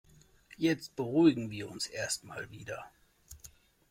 Jetzt beruhigen wir uns erst mal wieder.